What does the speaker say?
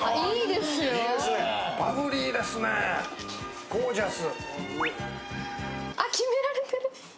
バブリーですね、ゴージャス。